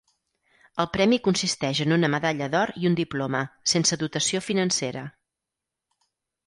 El premi consisteix en una medalla d'or i un diploma, sense dotació financera.